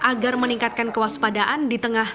agar meningkatkan kewaspadaan di tengah